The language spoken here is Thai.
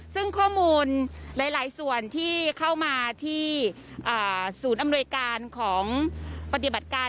ซึ่งข้อมูลหลายส่วนที่เข้ามาที่ศูนย์อำนวยการของปฏิบัติการ